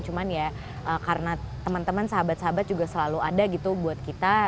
cuman ya karena teman teman sahabat sahabat juga selalu ada gitu buat kita